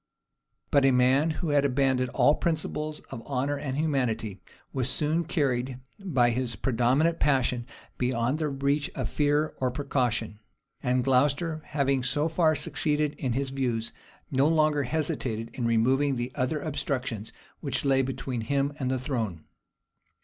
But a man who had abandoned all principles of honor and humanity, was soon carried by his predominant passion beyond the reach of fear or precaution; and Glocester, having so far succeeded in his views, no longer hesitated in removing the other obstructions which lay between him and the throne.